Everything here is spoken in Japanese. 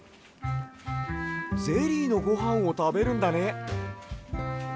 ゼリーのごはんをたべるんだね。